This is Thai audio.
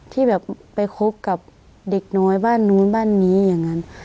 ที่แบบไปคบกับเด็กน้อยบ้านนู้นบ้านนี้อย่างนั้น